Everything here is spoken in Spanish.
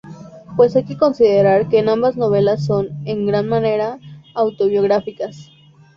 Pues hay que considerar que ambas novelas son, en gran manera, autobiográficas.